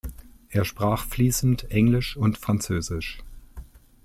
Er sprach fließend Englisch und Französisch.